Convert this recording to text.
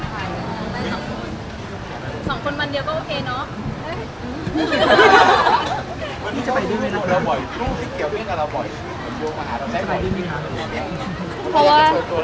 สองคนวันเดียวก็โอเคเนอะ